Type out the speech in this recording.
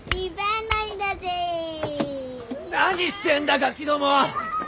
何してんだガキども！